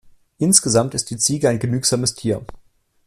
Insgesamt ist die Ziege ein genügsames Tier.